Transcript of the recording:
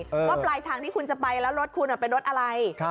ว่าปลายทางที่คุณจะไปแล้วรถคุณเป็นรถอะไร